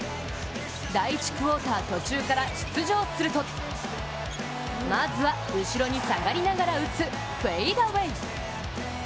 第１クオーター途中から出場するとまずは後ろに下がりながら打つフェイダウェイ。